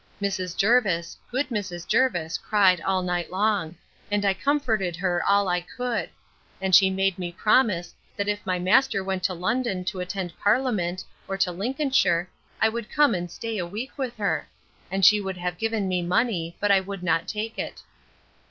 Mrs. Jervis, good Mrs. Jervis, cried all night long; and I comforted her all I could: And she made me promise, that if my master went to London to attend parliament, or to Lincolnshire, I would come and stay a week with her: and she would have given me money; but I would not take it.